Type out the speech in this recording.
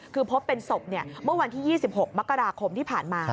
คือพบเป็นศพเมื่อวันที่๒๖มกราคมที่ผ่านมา